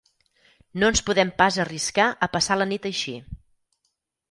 No ens podem pas arriscar a passar la nit així.